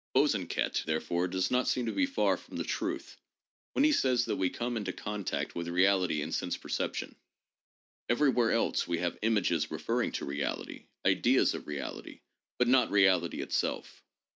Bosanquet, therefore, does not seem to be far from the truth when he says that we come into contact with reality in sense perception. Every where else, we have images referring to reality, ideas of reality, but not reality itself.